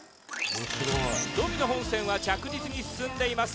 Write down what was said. ドミノ本線は着実に進んでいます。